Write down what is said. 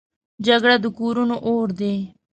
جګړه د کورونو اور دی